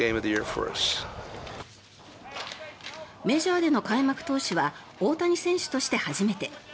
メジャーでの開幕投手は大谷選手として初めて。